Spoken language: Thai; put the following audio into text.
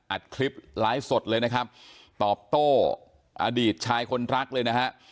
อัดคลิปไลฟ์สดเลยนะครับตอบโต้อดีตชายคนรักเลยนะฮะ